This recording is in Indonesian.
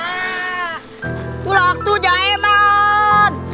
itu waktu jerman